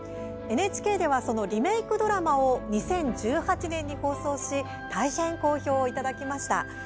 ＮＨＫではそのリメークドラマを２０１８年に放送し大変好評をいただきました。